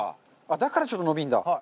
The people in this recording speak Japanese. だからちょっと伸びるんだ。